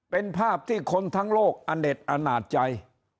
เป็นภาพที่คนทั้งโลกอเด็ดอนาจใจ